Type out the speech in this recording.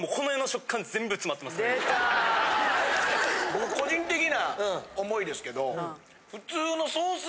僕個人的な思いですけど。